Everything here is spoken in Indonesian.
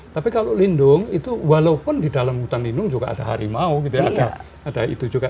tapi kalau lindung itu walaupun di dalam hutan lindung juga ada harimau gitu ya ada itu juga